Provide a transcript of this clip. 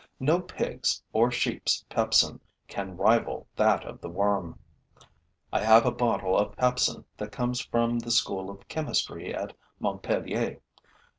No pig's or sheep's pepsin can rival that of the worm. I have a bottle of pepsin that comes from the School of Chemistry at Montpellier.